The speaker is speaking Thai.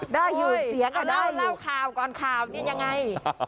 ได้อยู่เสียงอ่ะเล่าข่าวก่อนข่าวนี่ยังไง